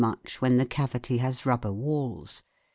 much when the cavity has rubber walls.